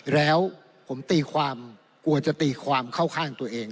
แล้วผมตีความกลัวจะตีความเข้าข้างตัวเอง